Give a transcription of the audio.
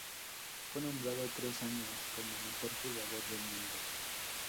Fue nombrado tres años como mejor jugador del mundo.